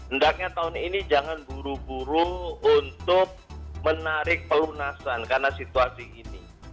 hendaknya tahun ini jangan buru buru untuk menarik pelunasan karena situasi ini